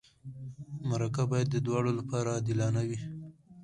مرکه باید د دواړو لپاره عادلانه وي.